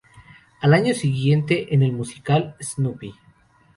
Al año siguiente, en el musical "Snoopy!